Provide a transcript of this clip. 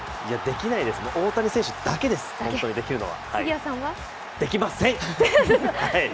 できないですね、大谷選手だけです、本当にできるのは。